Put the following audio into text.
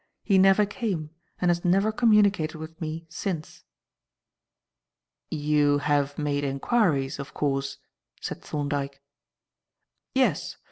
He never came and has never communicated with me since." "You have made enquiries, of course?" said Thorndyke. "Yes.